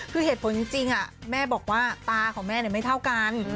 คือเหตุผลจริงแม่บอกว่าตาของแม่ไม่เท่ากัน